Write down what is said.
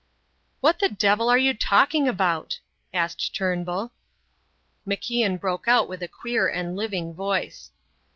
"What the devil are you talking about?" asked Turnbull. MacIan broke out with a queer and living voice.